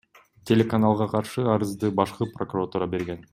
Телеканалга каршы арызды Башкы прокуратура берген.